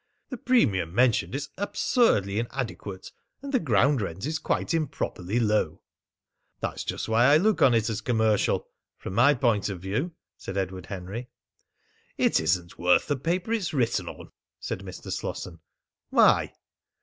"The premium mentioned is absurdly inadequate, and the ground rent is quite improperly low." "That's just why I look on it as commercial from my point of view," said Edward Henry. "It isn't worth the paper it's written on," said Mr. Slosson. "Why?"